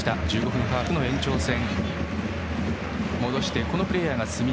１５分ハーフの延長戦。